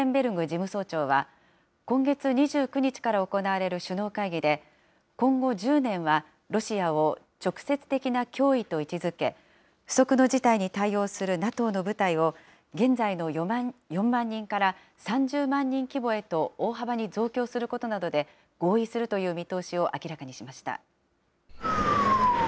事務総長は、今月２９日から行われる首脳会議で、今後１０年はロシアを直接的な脅威と位置づけ、不測の事態に対応するＮＡＴＯの部隊を、現在の４万人から３０万人規模へと大幅に増強することなどで合意するという見通しを明らかにしました。